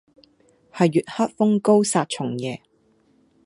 係月黑風高殺蟲夜